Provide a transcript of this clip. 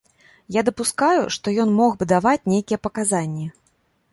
Я дапускаю, што ён мог бы даваць нейкія паказанні.